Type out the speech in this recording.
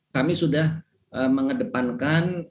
saya sudah mengedepankan